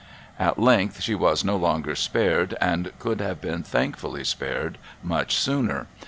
At length she was no longer spared, and could have been thankfully spared much sooner.